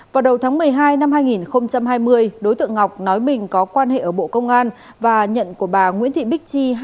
vào đầu tháng một mươi hai năm hai nghìn hai mươi đối tượng ngọc nói mình có quan hệ ở bộ công an và nhận của bà nguyễn thị bích chi